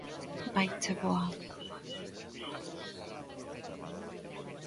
Vaiche boa!